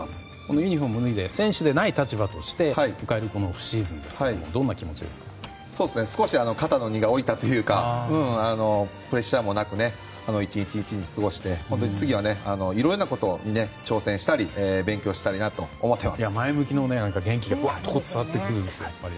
ユニホームを脱いで選手でない立場として迎えるオフシーズンですが少し肩の荷が下りたというかプレッシャーもなく１日１日過ごして、次はいろいろなことに挑戦したり前向きな元気がぶわっと伝わってくるんですよね。